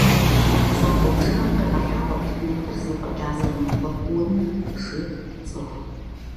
Закъуэ бжыгъэм къегъэлъагъуэ предметыр зы фӏэкӏа зэрымыхъур: унэ, жыг, цӏыху.